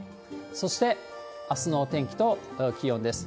そしてあすのお天気と気温です。